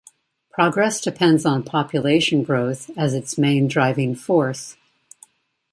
Progress depends on population growth as its main driving force.